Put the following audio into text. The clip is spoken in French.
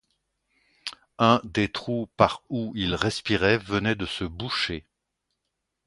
Un des trous par où il respirait venait de se boucher.